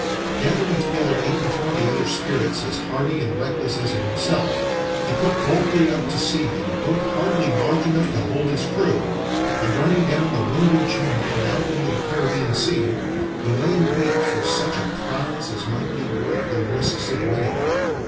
Gathering together eight and twenty other spirits as hardy and reckless as himself, he put boldly out to sea in a boat hardly large enough to hold his crew, and running down the Windward Channel and out into the Caribbean Sea, he lay in wait for such a prize as might be worth the risks of winning.